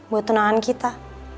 buat tunangan kita